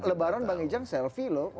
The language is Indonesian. lebaran bang ijang selfie loh